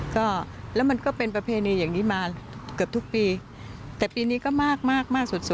ก็แล้วมันก็เป็นทฤษฎีอย่างงี้มาเกือบทุกปีแต่ปีนี้ก็มาก